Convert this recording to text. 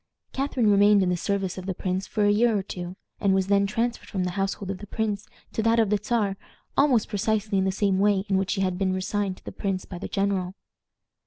Catharine remained in the service of the prince for a year or two, and was then transferred from the household of the prince to that of the Czar almost precisely in the same way in which she had been resigned to the prince by the general.